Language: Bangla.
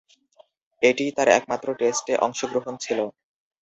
এটিই তার একমাত্র টেস্টে অংশগ্রহণ ছিল।